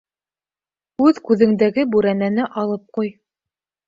Үҙ күҙендәге бүрәнәне алып ҡуй.